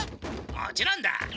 もちろんだ。